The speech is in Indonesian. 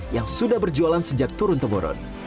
yang sudah berjualan sejak turun temurun